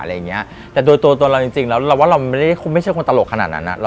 แต่ตัวตัวเราจริงแล้วเราไม่ใช่คนตลกขนาดนั้น